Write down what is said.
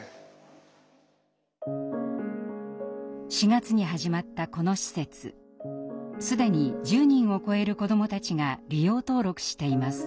４月に始まったこの施設既に１０人を超える子どもたちが利用登録しています。